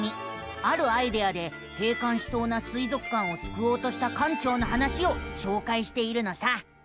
あるアイデアで閉館しそうな水族館をすくおうとした館長の話をしょうかいしているのさ。